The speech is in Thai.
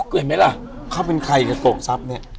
เห็นไหมล่ะเขาเป็นใครกับโกกทรัพย์เนี่ย